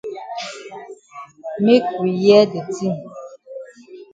Make we hear de tin.